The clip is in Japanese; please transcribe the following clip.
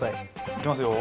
いきますよ。